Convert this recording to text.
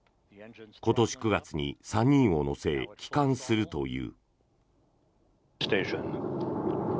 今年９月に３人を乗せ、帰還するという。